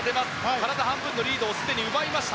体半分のリードをすでに奪いました。